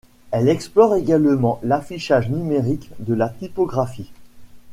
Elle explore également l'affichage numérique de la typographie.